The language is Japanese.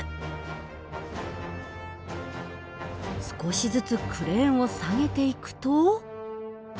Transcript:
少しずつクレーンを下げていくと。